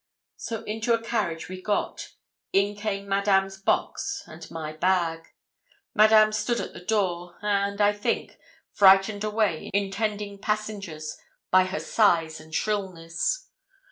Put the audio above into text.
So into a carriage we got; in came Madame's box and my bag; Madame stood at the door, and, I think, frightened away intending passengers, by her size and shrillness.